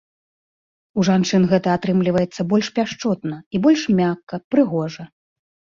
У жанчын гэта атрымліваецца больш пяшчотна і больш мякка, прыгожа.